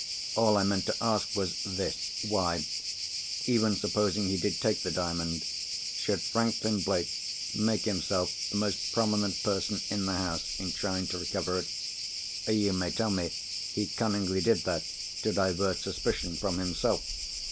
All I meant to ask was this. Why—even supposing he did take the Diamond—should Franklin Blake make himself the most prominent person in the house in trying to recover it? You may tell me he cunningly did that to divert suspicion from himself.